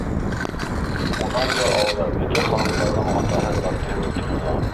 Унан да алда бөтә халыҡтарҙың атаһы портреты торҙо.